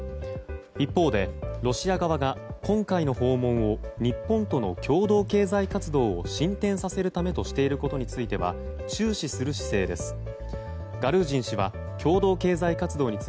一方でロシア側が今回の訪問を日本との共同経済活動を進展させるためとしていることについては注視する姿勢です。